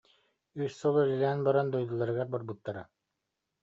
Үс сыл үлэлээн баран дойдуларыгар барбыттара